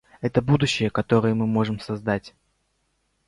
Это будущее, которое мы можем создать.